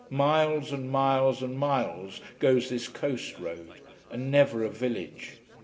Miles and miles and miles goes this coast road, and never a village.